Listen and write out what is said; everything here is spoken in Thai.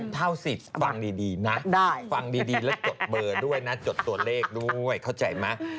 เท่าสิทธิ์ฟังดีนะฟังดีแล้วจดเบอร์ด้วยนะจดตัวเลขด้วยเข้าใจไหม